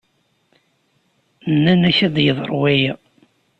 Nnan-ak ad yeḍru waya.